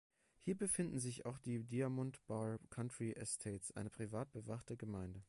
Hier befinden sich auch die Diamond Bar Country Estates, eine privat bewachte Gemeinde.